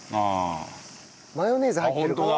マヨネーズ入ってるから。